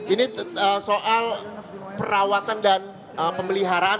ini soal perawatan dan pemeliharaan